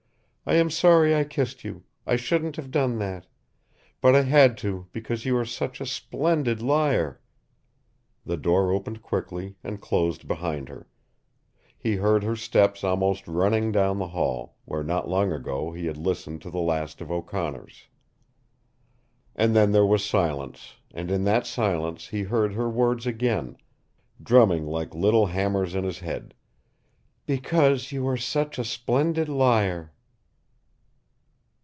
I am sorry I kissed you. I shouldn't have done that. But I had to because you are such a splendid liar!" The door opened quickly and closed behind her. He heard her steps almost running down the hall, where not long ago he had listened to the last of O'Connor's. And then there was silence, and in that silence he heard her words again, drumming like little hammers in his head, "BECAUSE YOU ARE SUCH A SPLENDID LIAR!"